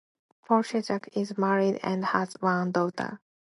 Poleshchuk is married and has one daughter.